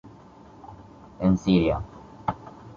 En Siria.